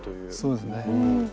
そうですね。